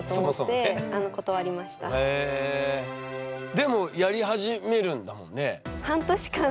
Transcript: でもやり始めるんだもんね。